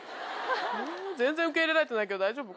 全然受け入れられてないけど大丈夫？